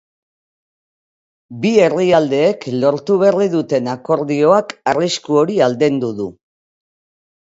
Bi herrialdeek lortu berri duten akordioak arrisku hori aldendu du.